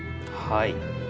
はい。